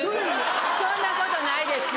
そんなことないですぅ。